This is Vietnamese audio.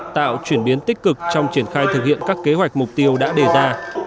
tạo chuyển biến tích cực trong triển khai thực hiện các kế hoạch mục tiêu đã đề ra